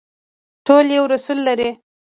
ټول یو رسول لري